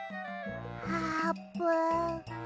あーぷん。